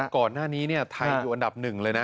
ก่อนหน้านี้ไทยอยู่อันดับหนึ่งเลยนะ